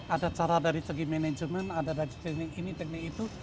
ada cara dari segi manajemen ada dari segi ini teknik itu